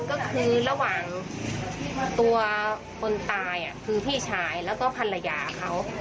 ก็คือระหว่างตัวคนตายคือพี่ชายแล้วก็ภรรยาเขา